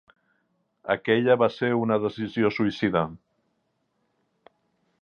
Aquella va ésser una decisió suïcida.